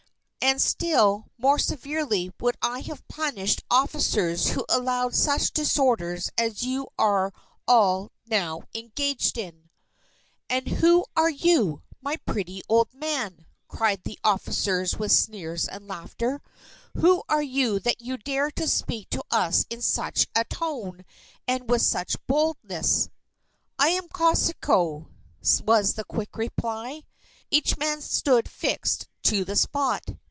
And still more severely would I have punished officers who allowed such disorders as you are all now engaged in!" "And who are you, my pretty old man," cried the officers with sneers and laughter, "who are you that you dare to speak to us in such a tone, and with such boldness!" "I am Kosciuszko," was the quick reply. Each man stood fixed to the spot.